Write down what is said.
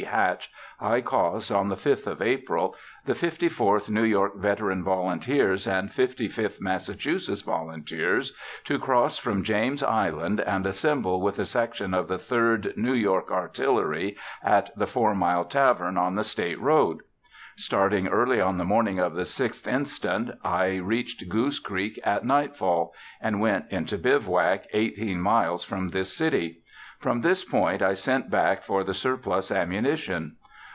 Hatch, I caused, on the 5th of April, the Fifty fourth New York Veteran Volunteers and Fifty fifth Massachusetts Volunteers to cross from James Island and assemble with a section of the Third New York Artillery at the Four Mile Tavern on the State Road. Starting early on the morning of the 6th inst., I reached Goose Creek at nightfall, and went into bivouac eighteen miles from this city. From this point I sent back for the surplus ammunition.